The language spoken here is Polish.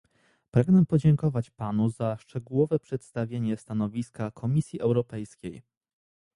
Pragnę podziękować panu za szczegółowe przedstawienie stanowiska Komisji Europejskiej